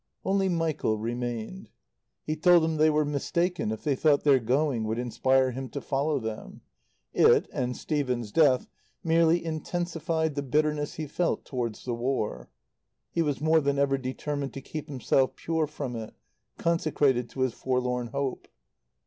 Only Michael remained. He told them they were mistaken if they thought their going would inspire him to follow them. It, and Stephen's death, merely intensified the bitterness he felt towards the War. He was more than ever determined to keep himself pure from it, consecrated to his Forlorn Hope.